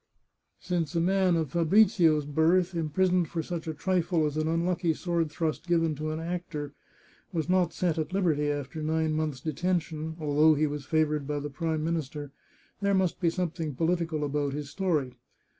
Since a man of Fa brizio's birth, imprisoned for such a trifle as an unlucky 404 The Chartreuse of Parma sword thrust given to an actor, was not set at liberty after nine months' detention, although he was favoured by the Prime Minister, there must be something political about his story.